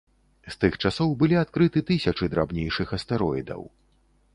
З тых часоў былі адкрыты тысячы драбнейшых астэроідаў.